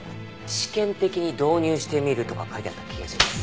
試験的に導入してみるとか書いてあった気がします。